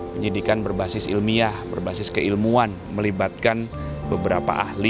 penyidikan berbasis ilmiah berbasis keilmuan melibatkan beberapa ahli